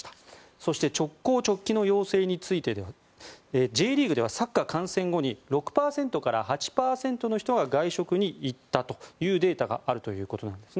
そして直行直帰の要請についてはＪリーグではサッカー観戦後に６％から８％の人が外食に行ったというデータがあるということです。